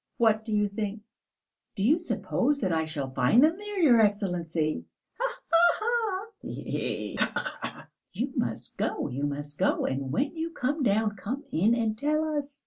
What do you think? Do you suppose that I shall find them there, your Excellency?" "Ha ha ha!" "He he he! Khee khee!" "You must go, you must go! And when you come down, come in and tell us!"